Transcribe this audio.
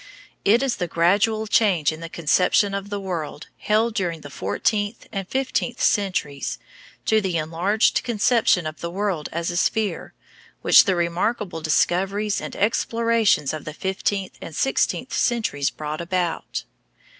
It is the gradual change in the conception of the world held during the fourteenth and fifteenth centuries to the enlarged conception of the world as a sphere which the remarkable discoveries and explorations of the fifteenth and sixteenth centuries brought about.